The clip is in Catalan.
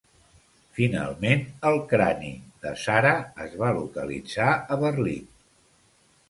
Finalment, el crani de Sara es va localitzar a Berlín.